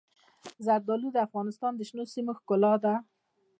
زردالو د افغانستان د شنو سیمو ښکلا ده.